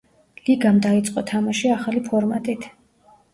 ლიგამ დაიწყო თამაში ახალი ფორმატით.